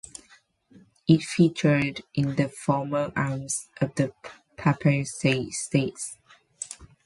It featured in the former arms of the Papal States.